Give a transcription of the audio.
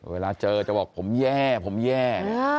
เวลาเจอจะบอกผมแย่ผมแย่